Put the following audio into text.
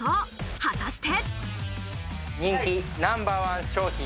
果たして。